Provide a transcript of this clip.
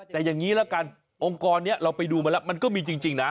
แต่อย่างนี้ละกันองค์กรนี้เราไปดูมาแล้วมันก็มีจริงนะ